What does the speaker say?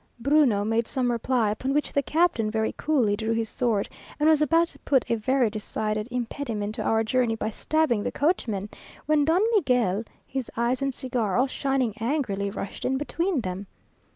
Bruno made some reply, upon which the captain very coolly drew his sword, and was about to put a very decided impediment to our journey by stabbing the coachman, when Don Miguel, his eyes and cigar all shining angrily, rushed in between them.